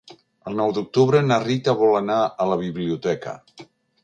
El nou d'octubre na Rita vol anar a la biblioteca.